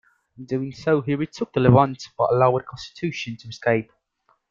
In doing so he retook the "Levant", but allowed "Constitution" to escape.